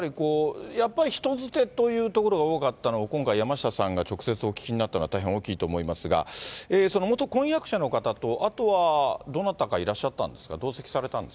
やっぱり人づてというところが多かったのが、今回、山下さんが直接お聞きになったのは、大変大きいと思いますが、その元婚約者の方と、あとはどなたかいらっしゃったんですか？